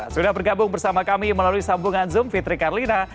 sudah bergabung bersama kami melalui sambungan zoom fitri karlina